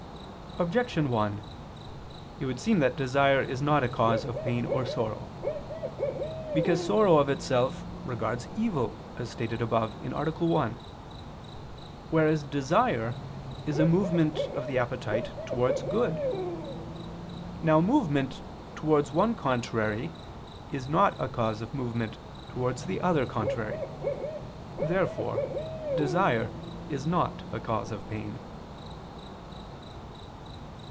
Objection 1: It would seem that desire is not a cause of pain or sorrow. Because sorrow of itself regards evil, as stated above (A. 1): whereas desire is a movement of the appetite towards good. Now movement towards one contrary is not a cause of movement towards the other contrary. Therefore desire is not a cause of pain.